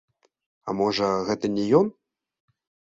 А можа, гэта не ён?